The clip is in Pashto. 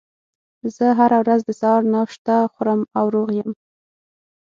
زه هره ورځ د سهار ناشته خورم او روغ یم